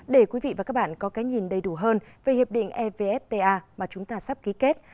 để quý vị và các bạn có cái nhìn đầy đủ hơn về hiệp định evfta mà chúng ta sắp ký kết